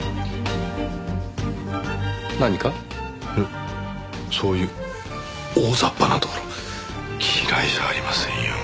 いえそういう大ざっぱなところ嫌いじゃありませんよ。